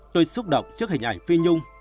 tôi xúc động trước hình ảnh phi nhung